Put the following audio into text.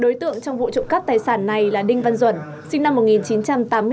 đối tượng trong vụ trộm cắp tài sản này là đinh văn duẩn sinh năm một nghìn chín trăm tám mươi tám